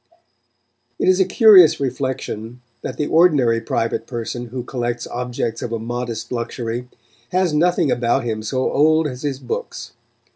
It is a curious reflection, that the ordinary private person who collects objects of a modest luxury, has nothing about him so old as his books.